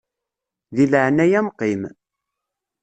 Deg laɛnaya-m qqim.